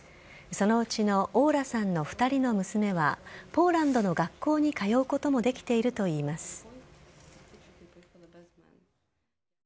そのうちのオーラさんの２人の娘は、ポーランドの学校に通うこともできているといいます。